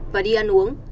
và đi ăn uống